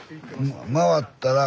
回ったら。